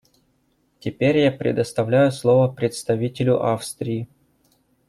Теперь я предоставляю слово представителю Австрии.